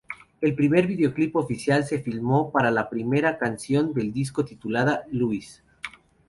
El primer video-clip oficial se filmó para la primera canción del disco, titulada "Louise".